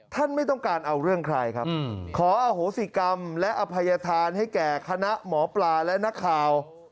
ไม่ต้องการเอาเรื่องใครครับขออโหสิกรรมและอภัยธานให้แก่คณะหมอปลาและนักข่าว